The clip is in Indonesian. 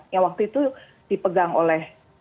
yang waktu itu dipegang oleh